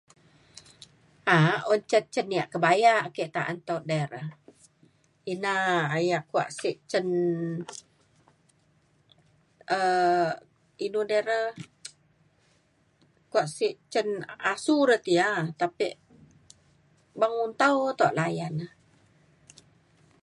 a’ak un ca cen yak kebaya ake ta’an tau toh de re ina yak kuak sek cen um inu de re kuak sek cen asu re ti ya tapek beng muntau tuk layan e